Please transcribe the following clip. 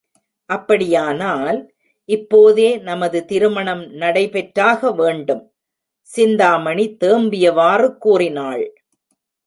அப்படியானால், இப்போதே நமது திருமணம் நடை பெற்றாக வேண்டும்! சிந்தாமணி தேம்பியவாறு கூறினாள்.